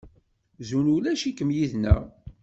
Zun ulac-ikem yid-neɣ.